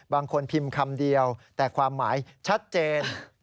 บางคนพิมพ์คำเดียวแต่ความหมายชัดเจน